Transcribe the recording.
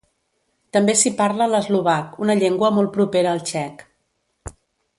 També s'hi parla l'eslovac, una llengua molt propera al txec.